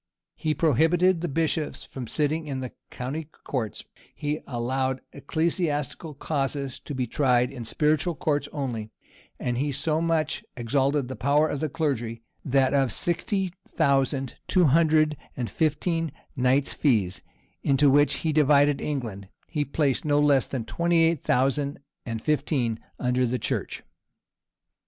He prohibited the bishops from sitting in the county courts; he allowed ecclesiastical causes to be tried in spiritual courts only;[] and he so much exalted the power of the clergy, that of sixty thousand two hundred and fifteen knights' fees, into which he divided England, he placed no less than twenty eight thousand and fifteen under the church.